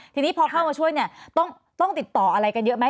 ทีนี้พอเข้ามาช่วยเนี่ยต้องติดต่ออะไรกันเยอะไหม